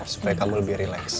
supaya kamu lebih relax